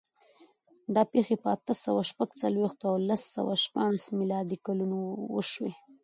دا پېښې په اته سوه شپږ څلوېښت او لس سوه شپاړس میلادي کلونو وشوې.